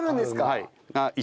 はい。